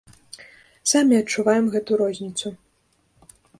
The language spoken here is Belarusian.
Самі адчуваем гэту розніцу.